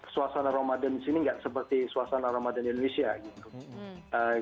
suasana ramadan di sini nggak seperti suasana ramadan di indonesia gitu